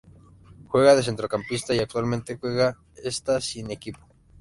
Juega de centrocampista y actualmente juega está sin equipo.